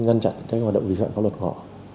ngăn chặn các hoạt động vi phạm pháp luật của họ